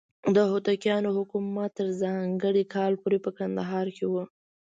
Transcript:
د هوتکیانو حکومت تر ځانګړي کال پورې په کندهار کې و.